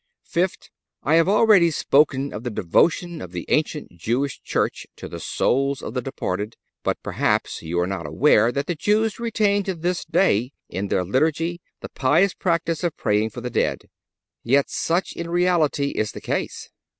Fifth—I have already spoken of the devotion of the ancient Jewish church to the souls of the departed. But perhaps you are not aware that the Jews retain to this day, in their Liturgy, the pious practice of praying for the dead. Yet such in reality is the case.